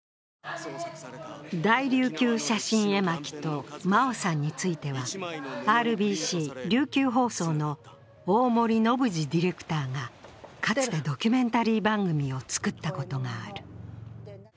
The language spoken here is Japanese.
「大琉球写真絵巻」と真生さんについてはＲＢＣ琉球放送の大盛伸二ディレクターがかつてドキュメンタリー番組を作ったことがある。